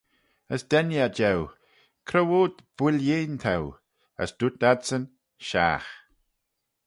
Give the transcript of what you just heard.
As denee eh jeu, Cre-woad bwilleen t'eu? As dooyrt adsyn, Shiaght.